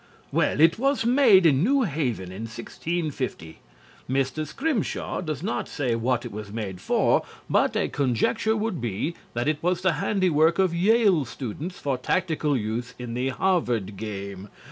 Well, it was made in New Haven in 1650. Mr. Scrimshaw does not say what it was made for, but a conjecture would be that it was the handiwork of Yale students for tactical use in the Harvard game.